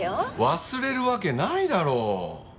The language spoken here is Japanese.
忘れるわけないだろう！？